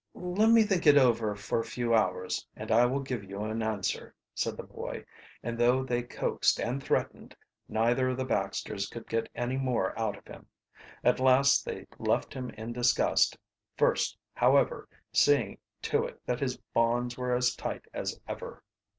"Let me think it over for a few hours, and I will give you an answer," said the boy, and though they coaxed and threatened, neither of the Baxters could get any more out of him. At last they left him in disgust, first, however, seeing to it that his bonds were as tight as ever.